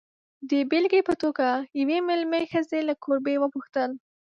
د بېلګې په توګه، یوې مېلمه ښځې له کوربې وپوښتل.